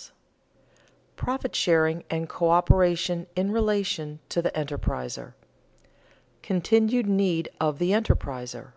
[Sidenote: Profit sharing and coöperation in relation to the enterpriser] [Sidenote: Continued need of the enterpriser] 4.